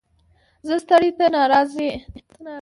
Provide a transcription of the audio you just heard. ـ زه ستړى ته ناراضي.